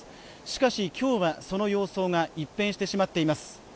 しかし今日はその様相が一変してしまっています